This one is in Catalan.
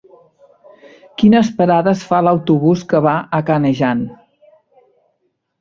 Quines parades fa l'autobús que va a Canejan?